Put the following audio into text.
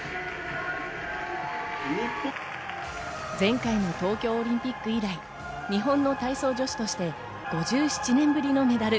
前回の東京オリンピック以来、日本の体操女子として５７年ぶりのメダル。